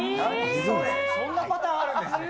そんなパターンあるんですね。